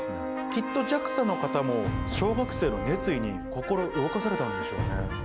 きっと、ＪＡＸＡの方も、小学生の熱意に心動かされたんでしょうね。